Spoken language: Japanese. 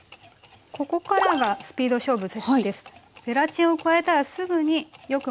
ここからがスピード勝負です。